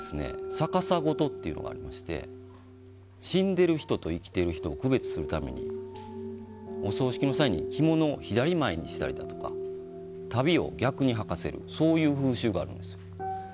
逆さごとっていうのがありまして死んでる人と生きてる人を区別するためにお葬式の際には着物を左前にしたりだとか足袋を逆に履かせるというような風習があるんですよ。